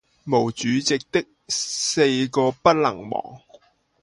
毛主席的四个不能忘！